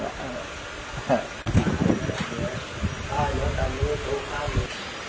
อ่ารถตามดูรถตามดู